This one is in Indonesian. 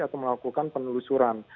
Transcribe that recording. atau melakukan penelusuran